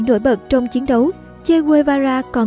nổi bật trong chiến đấu che guevara còn